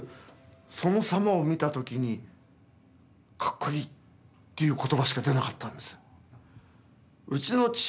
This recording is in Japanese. そのさまを見た時にかっこいいっていう言葉しか出なかったんです。